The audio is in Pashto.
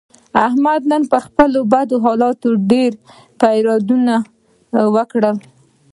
احمد نن پر خپل بد حالت ډېر فریادونه وکړل.